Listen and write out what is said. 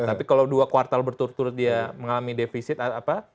tapi kalau dua kuartal berturut turut dia mengalami defisit apa